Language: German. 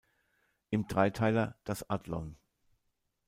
Im Dreiteiler "Das Adlon.